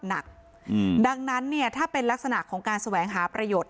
หนักดังนั้นเนี่ยถ้าเป็นลักษณะของการแสวงหาประโยชน์